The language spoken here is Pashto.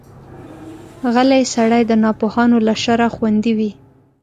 غلی سړی، د ناپوهانو له شره خوندي وي.